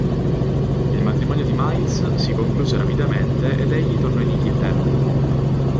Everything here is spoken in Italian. Il matrimonio di Miles si concluse rapidamente ed egli tornò in Inghilterra.